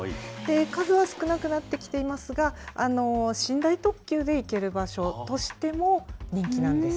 数は少なくなってきていますが、寝台特急で行ける場所としても人気なんです。